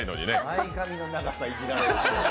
前髪の長さいじられるっていう。